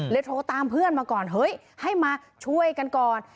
โทรตามเพื่อนมาก่อนเฮ้ยให้มาช่วยกันก่อน